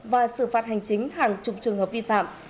và xử phạt hành chính hàng chục trường hợp vi phạm